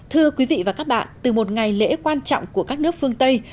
thưa quý vị và các bạn từ một ngày lễ quan trọng của các nước phương tây